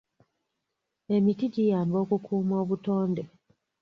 Emiti giyamba okukuuma obutonde.